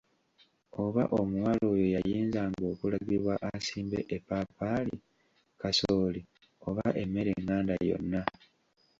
Oba omuwala oyo yayinzanga okulagibwa asimbe eppaapaali, kasooli, oba emmere enganda yonna.